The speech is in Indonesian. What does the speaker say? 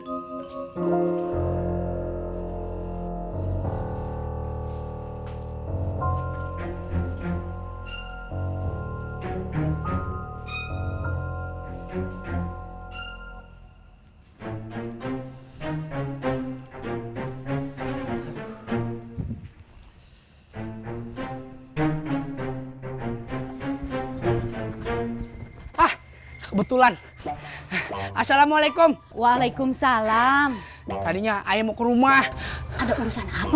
ah kebetulan assalamualaikum waalaikumsalam tadinya ayah mau ke rumah ada urusan apa